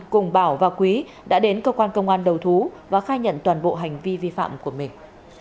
cùng bảo và quý đã đến cơ quan công an đầu thú và khai nhận toàn bộ hành vi vi phạm của mình